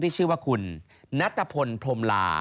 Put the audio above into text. ที่ชื่อว่าคุณนัทธพลพรมลา